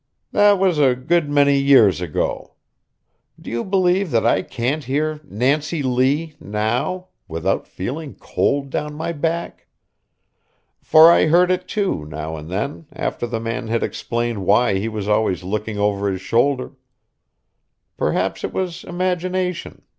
That was a good many years ago. Do you believe that I can't hear "Nancy Lee" now, without feeling cold down my back? For I heard it too, now and then, after the man had explained why he was always looking over his shoulder. Perhaps it was imagination.